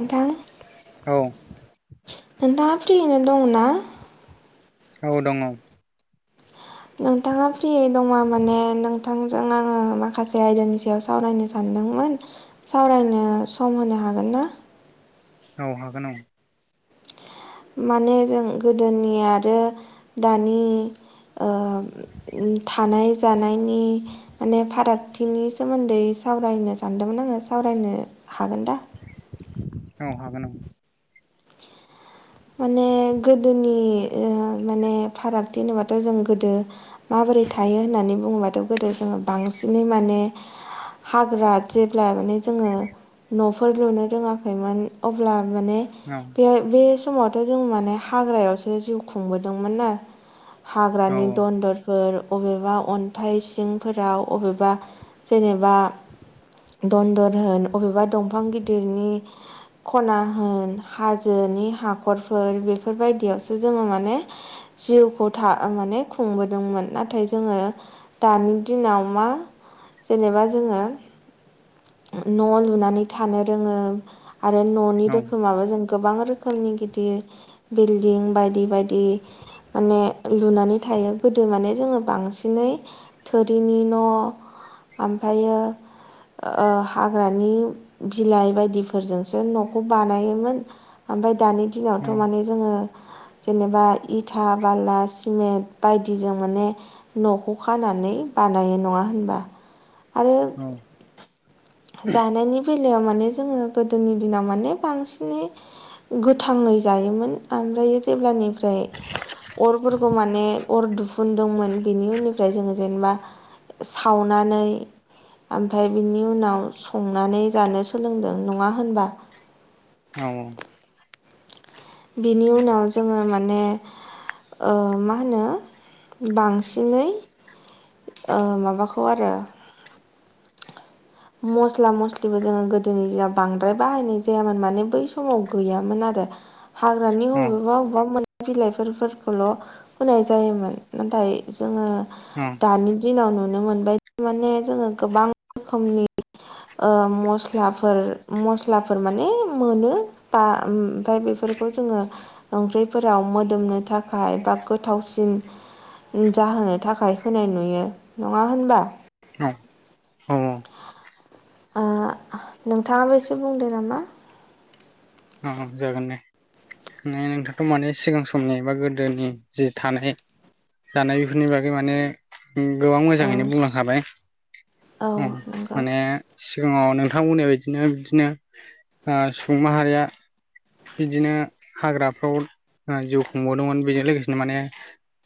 नोंथां औ नों दा फ्रियैनो दंना? औ दङ' नोंथाङा फ्रि दङ माने नोंथां। बिथांजों आङो माखासे आयदानि सायाव सावरायनो सानदोंमोन। सावरायनो सम होनो हागोन ना? औ हागोन औ माने जों गोदोनि आरो दानि ओ थानाय जानायनि माने फारागथिनि सोमोन्दै सावरायनो सानदोंमोन आङो सावरायनो हागोन दा? औ हागोन माने गोदोनि माने फारागथि होनोबाथ' जों गोदो माबोरै थायो होननानै बुङोबाथ' गोदो जोङो बांसिनै माने हाग्रा जेब्ला माने जोङो न'फोर लुनो रोङाखैमोन अब्ला माने औ बे बे समावथ' जों माने हाग्रायावसो जिउ खुंबोदोंमोन ना औ हाग्रानि दनदर फोर अबेबा अनथाइ सिंफोराव अबेबा जेनेबा दनदर होन अबेबा दंफां गिदिरनि खना होन हाजोनि हाखरफोर बेफोरबायदियावसो जोङो माने जिउखौ माने खुंबोदोंमोन नाथाय जोङो दानि दिनाव मा जेनेबा जोङो न' लुनानै थानो रोङो आरो न' नि औ रोखोमाबो जों गोबां रोखोमनि गिदिर बिलडिं बायदि बायदि माने लुनानै थायो गोदो माने जोङो बांसिनै थोरिनि न' ओमफ्रायो ओ हाग्रानि बिलाइ बायदिफोरजोंसो न'खौ बानायोमोन ओमफ्राय दानि औ दिनावथ' माने जोङो जेनेबा इथा बाला सिमेन्ट बायदिजों माने न'खौ खानानै बानायो नङा होनबा आरो जानायनि बेलायाव माने जोङो गोदोनि दिनाव माने बांसिनै गोथाङै जायोमोन ओमफ्रायो जेब्लानि ओमफ्राय अरफोरखौ माने अर दुफुनदोंमोन बेनि उननिफ्राय जोङो जेनेबा सावनानै ओमफ्राय बिनि उनाव संनानै जानो सोलोंदों नङा होनबा औ बिनि उनाव जोङो माने ओ मा होनो बांसिनै ओ माबाखौ आरो मस्ला मस्लिबो जोङो गोदोनि दिनाव बांद्राय बाहायनाय जायामोन माने बै समाव गैयामोन आरो हाग्रानि बबेबा बबेबा मोन बि बिलाइफोरखौल' होनाय जायोमोन नाथाय जोङो ओम दानि दिनाव नुनो मोनबाय थारमाने जोङो गोबां रोखोमनि ओ मस्लाफोर मस्लाफोर माने मोनो बा ओमफ्राय बेफोरखौ जोङो ओंख्रिफोराव मोदोमनो थाखाय बा गोथावसिन जाहोनो थाखाय होनाय नुयो नङा होनबा औ औ ओ नोंथाङाबो एसे बुंदो नामा अ जागोन दे नोंथाङाथ' माने सिगां समनि बा गोदोनि जि थानाय जानायफोरनि बागै माने गोबां औ मोजाङैनो बुंलांखाबाय औ ओम नंगौ माने सिगाङाव नोंथां बुंनाय बायदिनो बिदिनो ओ सुबुं माहारिया बिदिनो हाग्राफ्राव जिउ खुंबोवदोंमोन बेजों लोगोसेनो माने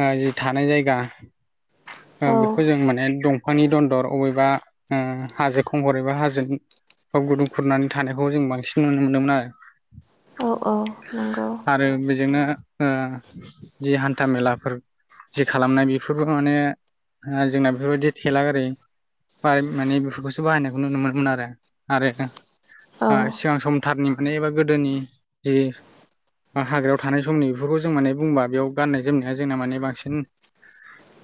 ओ जि थानाय जायगा औ बेखौ जों माने दंफांनि दनदर अबेबा ओ हाजो खंखर एबा हाजो बाव गुदुं खुरनानै थानायखौ जों बांसिन नुनो मोनदोंमोन आरो औ औ नंगौ। आरो बेजोंनो ओ जि हान्था मेलाफोर जि खालामनाय बेफोरबो माने ओ जोंना बेफोरबायदि थेला गारि बा माने बेफोरखौसो बाहायनायखौ नुनो मोनोन आरो आरो औ सिगां सम गोथारनिफ्राय एबा गोदोनि जि बा हाग्रायाव थानाय समनि बेफोरखौ जों माने बुंबा बेयाव गाननाय-जोमनाया जोंना माने बांसिन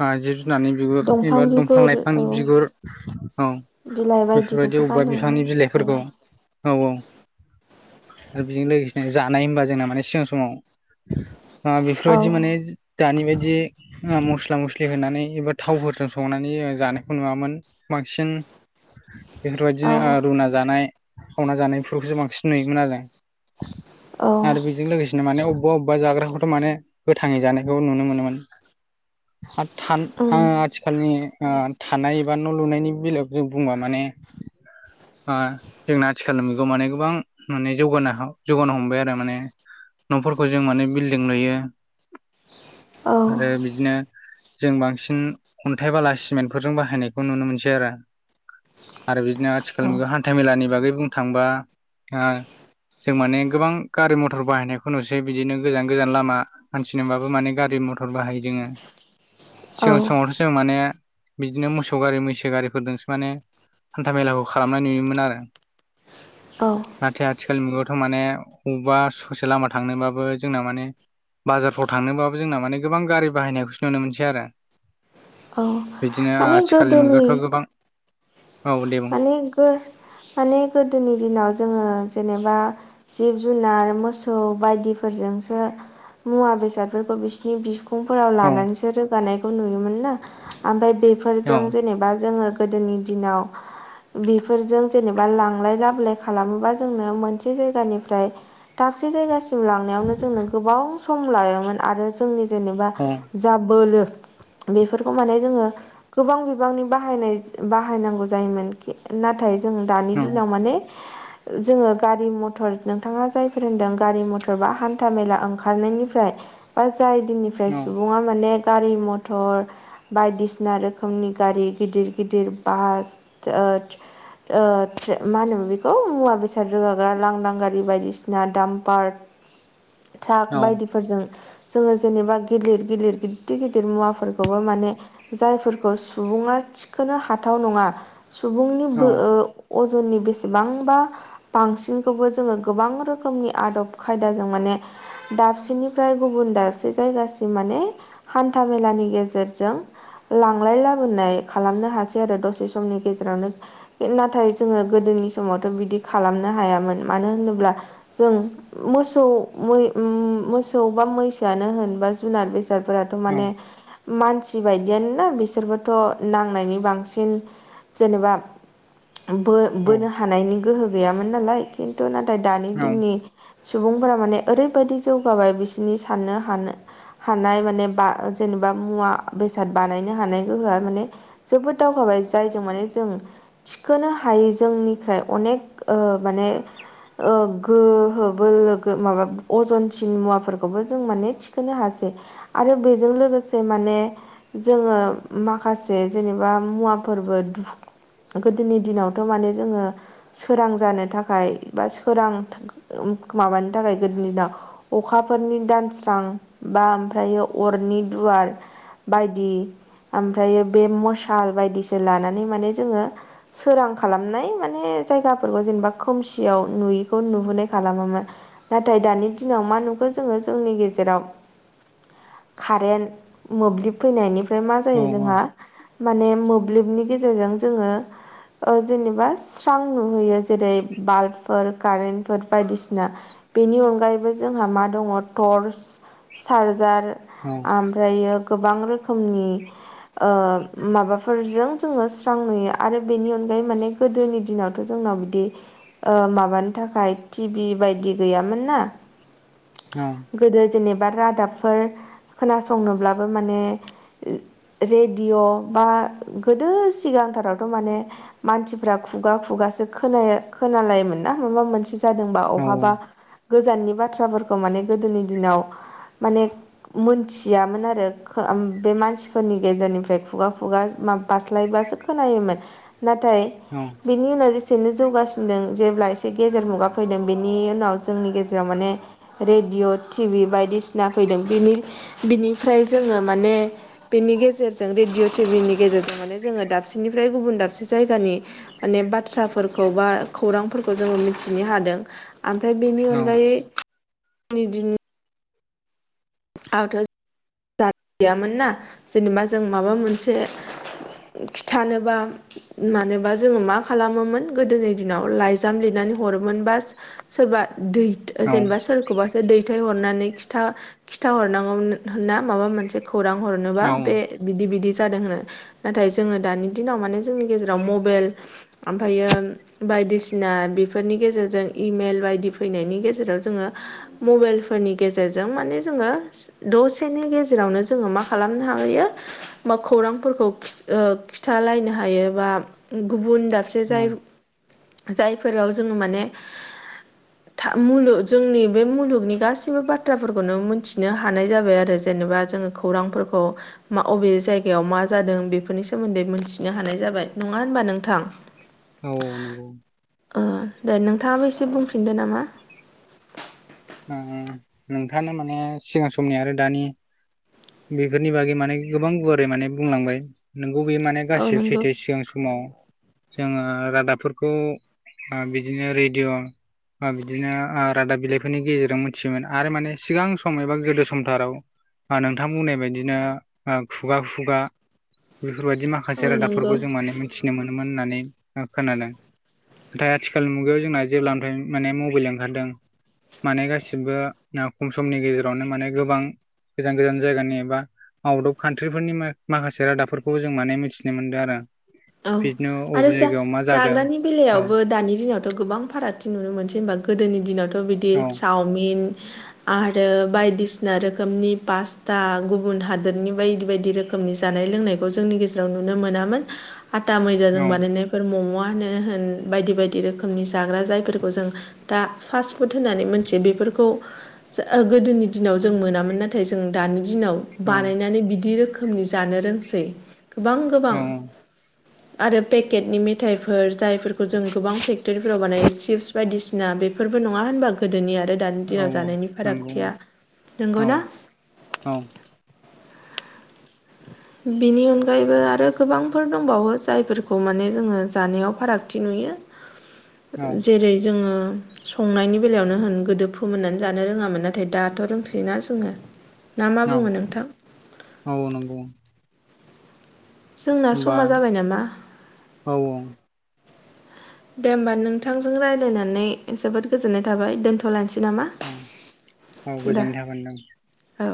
अ जिब जुनारनि बिगुर एबा दंफां बिगुर औ लाइफांनि बिगुर औ। बिलाइ बायदिखौसो बेफोरबायदि अबेबा गानो बिफांनि बिलाइफोरखौ मोनना औ औ। आरो बेजों लोगोसेनो जानाय होनबा जोंना माने सिगां समाव औ बेफोरबायदि माने दानि बायदि मस्ला मस्लि होनानै एबा थावफोरजों संनानै जानायखौ नुवामोन बांसिन बेफोरबायदिनो आ औ रुना जानाय सावना जानायफोरखौसो बांसिन नुयोमोन आरो। [inaudible] आरो बेजों लोगोसेनो माने अबेबा अबेबा जाग्राखौथ' माने गोथाङै जानायखौ नुनो मोनोमोन। आरो थान उम आं आथिखालनि ओ थानाय एबा न' लुनायनि बेलायाव जों बुंबा माने। आ जोंना आथिखालनि मुगाव माने गोबां माने जौगानो जौगानो हमबाय आरो माने। न'फोरखौ जों माने बिल्डिं लुयो। औ आरो बिदिनो जों बांसिन खन्थाइ बाला सिमेन फोरजों बाहायनायखौ नुनो मोनसै आरो आरो बि बिदिनो औ आथिखाल हान्थ मेलानि बागै बुंनो थांबा ओ जों माने गोबां गारि मथर बाहायनायखौ नुसै बिदिनो गोजान गोजान लामा हानथि नबाबो माने गारि मथर बाहायो जोङो औ सिगां समावथ' जों माने बिदिनो मोसौ गारि मैसो गारिफोरदोंसो माने हान्था मेलाखौ खालामनाय नुयोमोन आरो। औ। नाथाय आथिखालनि मुगायावथ' माने बबेबा ससे लामा थांनोबाबो जोंना माने। बाजारफ्राव थांनोबाबो जोंना माने गोबां गारि बाहायनायखौसो नुनो मोनसै आरो। औ बिदिनो माने आथिखालनि गोदोनि मुगायावथ' गोबां औ दे बुं म माने गोदोनि दिनाव जोङो जेनेबा जिब जुनार मोसौ बायदिफोरजोंसो मुवा बेसादफोरखौ बिसिनि बिहो फोराव औ लानानैसो रोगानायखौ नुयोमोन ना ओमफ्राय बेफोरजों औ जेनेबा जोङो गोदोनि दिनाव बेफोरजों जेनेबा लांलाय लाबोलाय खालामोबा जोंनो मोनसे जायगानिफ्राय दाबसे जायगासिम लांनायावनो जोंनो गोबां सम लायोमोन आरो जोंनि जेनेबा जा बोलो बेफोरखौ माने जोङो गोबां बिबांनि बाहायनाय बाहायनांगौ जायो। जायोमोन जों नाथाय दानि दिनाव माने जोङो गारि मटर नोंथाङा जायफोर होनदों गारि मथर बा हान्था मेला ओंखारनायनिफ्राय बा जाय दिननिफ्राय सुबुङा मानेक गारि मथर बायदिसिना रोखोमनि गारि गिदिर गिदिर बास आ मा होनो बेखौ मुवा बेसाद रोगाग्रा लांदां गारि बायदिसिना दामपार ट्राक बायदिफोरजों जोङो जेनेबा गिलिर गिलिर गिदिर गिदिर मुवाफोरखौबो माने जायफोरखौ सुबुङा थिखोनो हाथाव नङा सुबुंनि‌ ओ अजननि बेसेबांबा बांसिनखौबो जोङो गोबां रोखोमनि आदब खायदाजों माने दाबसेनिफ्राय गुबुन दाबसे जायगासिम माने हान्था मेलानि गेजेरजों लांलाय लाबोनाय खालामनो हासै आरो दसे समनि गेजेराव नो नाथाय जोङो गोदोनि समावथ' बिदि खालामनो हायामोन मानो होनोब्ला जों मोसौ मोसौ बा मैसोआनो होनबा जुनार फोराथ' माने मानसि बायदियानोना बिसोरबोथ' नांनायनि बांसिन जेनेबा बो बोनो हानायनि गोहो गैयामोन नालाय खिन्थु नाथाय दानि दिननि सुबुंफोरा माने ओरैबायदि जौगाबाय बिसिनि साननो हानो हानाय माने बा जेनेबा मुवा बेसाद बानायनो हानाय गोहोआ माने जोबोद दावगाबाय जाय जों माने जों थिखोनो हायो जोंनिफ्राय अनेक माने गोहो बोलो माबा अजनसिन मुवाफोरखौबो जों माने थिखोनो हासै आरो बेजों लोगोसे माने जोङो माखासे जेनेबा मुवाफोरबो गोदोनि दिनावथ' माने जोङो सोरां जानो थाखाय बा सोरां माबानो थाखाय गोदोनि दिनाव अखाफोरनि दानस्रां बा ओमफ्रायो अरनि दुवार बायदि ओमफ्रायो बे मसाल बायदिसो लानानै माने जोङो सोरां खालामनाय माने जायगाफोरखौ जेनेबा खोमसियाव नुयैखौ नुुबोनाय खालामोमोन नाथाय दानि दिनाव मा नुखो जोङो जोंनि गेजेराव कारेन्ट मोब्लिब फैनायनिफ्राय मा जायो जोंहा माने मोब्लिबनि गेजेरजों जोङो जेनेबा स्रां नुहैयो जेरै बाल्बफोर कारेन्टफोर बायदिसिना बेनि अनगायैबो जोंहा मा दङ टर्स चार्जार ओमफ्रायो गोबां रोखोमनि माबाफोरजों जोङो स्रां नुयो आरो बेनि अनगायै माने गोदोनि दिनावथ' जोंनाव बिदि माबानो थाखाय टि भि बायदि गैयामोन ना औ गोदो जेनेबा रादाबफोर खोनासंनोब्लाबो माने रेडिअ' बा गोदो सिगांथारावथ' माने मानसिफ्रा खुगा खुगासो खोनायो खोनालायोमोन ना माबा मोनसे जादोंबा अहाबा गोजाननि बाथ्राफोरखौ माने गोदोनि दिनाव माने मोनथियामोन आरो बे मानसिफोरनि गेजेरनिफ्राय खुगा खुगा मा बास्लायब्लासो खोनायोमोन नाथाय औ बिनि उनाव जेसेनो जौगासिनदों जेब्ला एसे गेजेर मुगा फैदों बेनि उनाव जोंनि गेजेराव माने रेडिय' टिभि बायदिसिना फैदों बिनि बिनिफ्राय जोङो माने बेनि गेजेरजों रेडिय' टिभिनि गेजेरजों माने जोङो दाबसेनिफ्राय गुबुन दाबसे जायगानि माने बाथ्राफोरखौ बा खौरांफोरखौ जोङो मिथिनो हादों ओमफ्राय बेनि अनगायै [unintelligible] [unintelligible] गैयामोन ना जेनेबा जों माबा मोनसे खिथानोबा मानोबा जोङो मा खालामोमोन गोदोनि दिनाव लाइजाम लिरनानै हरोमोन बा सोरबा दै जेनेबा सोरखौबासो दैथायहरनानै खिथा खिथा हरनांगौमोन ना माबा मोनसे खौरां हरनोबा बे बिदि बिदि जादों होनो नाथाय जोङो दानि दिनाव माने जोंनि गेजेराव मबेल आमफायो बायदिसिना बेफोरनि गेजेरजों इमेल बायदि फैनायनि गेजेराव जोङो मबाइल फोरनि गेजेरजों माने जोङो दस फिथाइनि गेजेरावनो जोङो मा खालामनो हायो बा खौरांफोरखौ ओ खिथालायनो हायोबा गुबुन दाबसे जाय जायफोराव जोङो माने था मुलु जोंनि बे मुलुगनि गासिबो बाथ्राफोरखौनो मिथिनो हानाय जाबाय आरो। जेनेबा जोङो खौरांफोरखौ मा अबे जायगायाव मा जादों? बेफोरनि सोमोन्दै मोनथिनो हानाय जाबाय नङा होनबा नोंथां? औ। ओ दे नोंथाङाबो एसे बुंफिनदो नामा? ओ नोंथाङा माने सिगां समनि आरो दानि बेफोरनि बागै माने गोबां गुवारै माने बुंलांबाय। नोंगौ बे माने औ गासैबो नंगौ सैथो सिगां समाव जोङो रादाबफोरखौ ओ बिदिनो रेडिअ' ओ बिदिनो रादाब बिलाइ बेफोरनि गेजेरजों मिथियोमोन आरो माने सिगां सम एबा गोदो समथाराव ओ नोंथां बुंनाय बायदिनो ओ खुगा खुगा बेफोरबायदि माख औ माखासे नंगौ रादाबफोरखौ जों माने मिथिनो मोनोमोन होननानै खोनादों। नाथाय आथिखालनि मुगायाव जोंना जेब्लानिफ्राय माने मबाइल ओंखारदों। माने गासिबो ओ खम समनि गेजेरावनो माने गोबां गोजान गोजान जायगानि एबा आउट अफ कान्ट्रिफोरनि माखासे रादाबफोरखौबो जों माने मिथिनो मोनदों आरो औ बिदिनो आरो अबे जा जायगायाव मा जादों जाग्रानि औ बेलायावबो दानि दिनाव' गोबां फारागथि नुनो मोनसै होमबा गोदोनि दिनावथ' बिदि औ चावमिन आरो बायदिसिना रोखोमनि पास्ता गुबुन हादरनि बायदि बायदि रो खोमनि जानाय लोंनायखौ जोंनि गेजेराव नुनो मोनामोन। आता मैदाजों औ बानायनाय फोर म'म'आनो होन बायदि बायदि रोखोमनि जाग्रा जायफोरखौ जों दा फास्ट फुड होननानै मोनथियो बेफोरखौ जा ओ गोदोनि दिनाव जों मोनामोन नाथाय जों दानि दिनाव औ बानायनानै बिदि रोखोमनि जानो रोंसै गोबां गोबां। औ आरो पेकेटनि मिथाइफोर जायफोरखौ जों गोबां फेक्टरिफोराव बानायो चिप्स। बायदिसिना बेफोरबो नङा होनबा गोदोनि आरो दानि औ दिनाव औ जानायनि नंगौ फारागथिया, नोंगौ औ ना? औ। [inaudible] बिनि अनगायैबो आरो गोबांफोर दंबावो जायफोरखौ माने जोङो जानायाव फारागथि नुयो। औ जेरै जोङो संनायनि बेलायावनो होन गोदो फोमोननानै जानो रोङामोन नाथाय दाथ' [unintelligible] जोङो। ना मा औ बुङो नोंथां? औ नंगौ। जोंना होमबा समा जाबाय नामा? औ दे ओमबा नोंथांजों रायलायनानै जोबोद गोजोननाय थाबाय दोन्थ'लायनोसै नामा? अ औ दा गोजोननाय थाबाय नोंथां। औ।